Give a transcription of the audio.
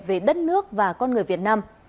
về đất nước và con người việt nam